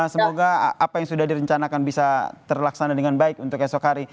semoga apa yang sudah direncanakan bisa terlaksana dengan baik untuk esok hari